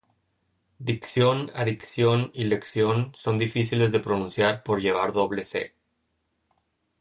Dicción, adicción y lección son difíciles de pronunciar por llevar doble "c"